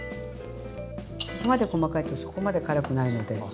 ここまで細かいとそこまで辛くないので。